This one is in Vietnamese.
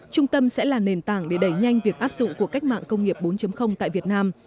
trung tâm sẽ là nền tảng để đẩy nhanh việc áp dụng của cách mạng công nghiệp bốn tại việt nam